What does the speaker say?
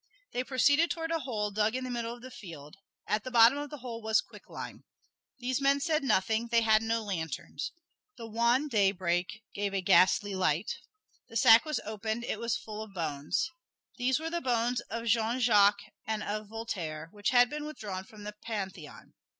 They proceeded towards a hole dug in the middle of the field. At the bottom of the hole was quicklime. These men said nothing, they had no lanterns. The wan daybreak gave a ghastly light; the sack was opened. It was full of bones. These were the bones of Jean Jacques and of Voltaire, which had been withdrawn from the Pantheon.